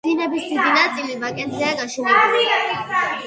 დინების დიდი ნაწილი ვაკეზეა გაშლილი.